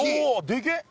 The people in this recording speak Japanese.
でけっ！